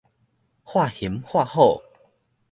喝熊喝虎